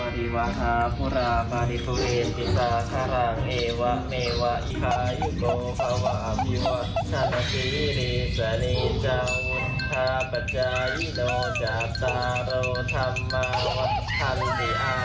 ทำมาวัดทันที่อายอยู่วันโลกทุกครั้งห้าล้างสามสิบ